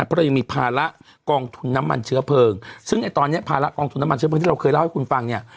เพราะเรายังมีภาระกองทุนน้ำมันเชื้อเพลิงซึ่งในตอนนี้ภาระกองทุนน้ำมันเชื้อเพลิงที่เราเคยเล่าให้คุณฟังเนี่ย